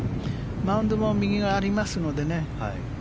マウンドも右がありますのでね